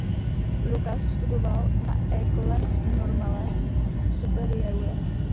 Lucas studoval na École Normale Supérieure.